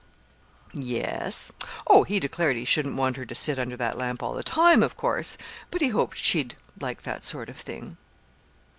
"Yes. Oh, he declared he shouldn't want her to sit under that lamp all the time, of course; but he hoped she'd like that sort of thing."